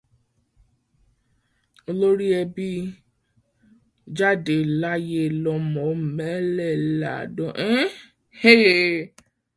Olórí ẹbí jáde láyé lọ́mọ mélèláàádọ́ta ọdún.